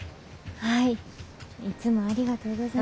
はい。